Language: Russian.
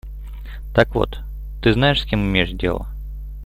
Так вот, ты знаешь, с кем имеешь дело.